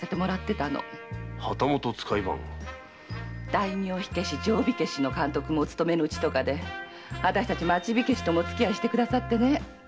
大名火消し・定火消しの監督もお勤めのうちとかで私たち町火消しともお付き合いくださって。